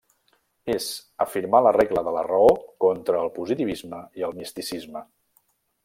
És afirmar la regla de la raó contra el positivisme i el misticisme.